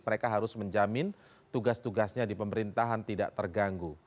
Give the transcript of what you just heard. mereka harus menjamin tugas tugasnya di pemerintahan tidak terganggu